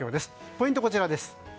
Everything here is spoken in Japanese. ポイントはこちら。